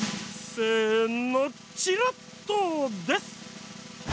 せのチラッとです！